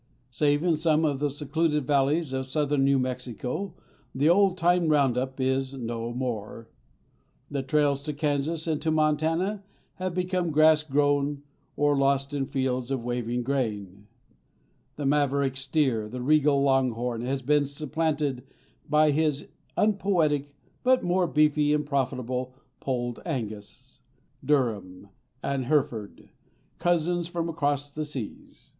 Save in some of the secluded valleys of southern New Mexico, the old time round up is no more; the trails to Kansas and to Montana have become grass grown or lost in fields of waving grain; the maverick steer, the regal longhorn, has been supplanted by his unpoetic but more beefy and profitable Polled Angus, Durham, and Hereford cousins from across the seas.